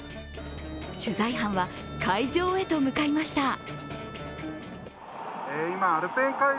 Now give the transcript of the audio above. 取材班は会場へと向かいました。